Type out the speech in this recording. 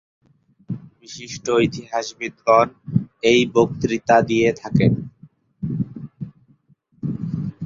বিশিষ্ট ইতিহাসবিদগণ এই বক্তৃতা দিয়ে থাকেন।